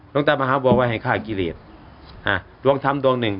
ลงตามฮบววัยใครฆ่ากีเรศดวงธรรมดวงหนึ่ง